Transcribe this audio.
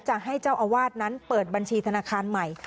จะให้เจ้าอาวาสนั้นเปิดบัญชีธนาคารใหม่